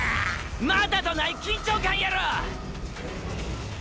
またとない緊張感やろ！！